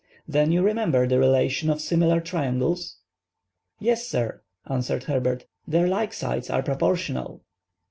"Then you remember the relation of similar triangles?" "Yes, sir," answered Herbert. "Their like sides are proportional."